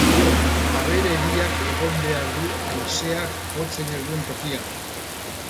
Abere eriak egon behar du haizeak jotzen ez duen tokian.